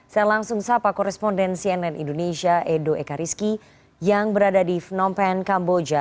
saya langsung sapa koresponden cnn indonesia edo ekariski yang berada di phnom penh kamboja